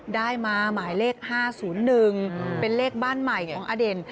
ได้มาหมายเลข๕๐๑เป็นเลขบ้านใหม่ของอเด่น